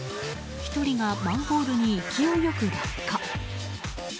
１人がマンホールに勢いよく落下。